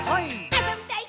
あそびたい！」